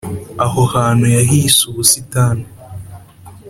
aho hantu yahise ubusitani